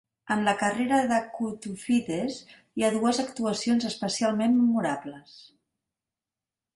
En la carrera de Koutoufides, hi ha dues actuacions especialment memorables.